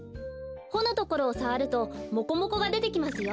ほのところをさわるとモコモコがでてきますよ。